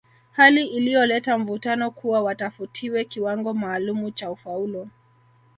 Hali iliyoleta mvutano kuwa watafutiwe kiwango maalumu cha ufaulu